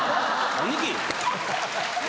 兄貴！